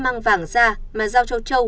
mang vàng ra mà giao cho châu